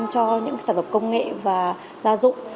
cho những sản phẩm công nghệ và gia dụng